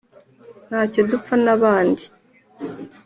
ntacyo dupfa n'abandi